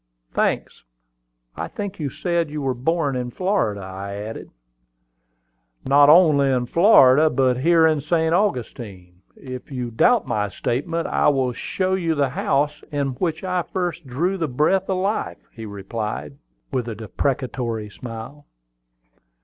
"Thanks. I think you said you were born in Florida," I added. "Not only in Florida, but here in St. Augustine. If you doubt my statement, I will show you the house in which I first drew the breath of life," he replied, with a deprecatory smile.